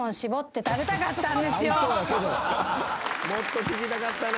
もっと聴きたかったな。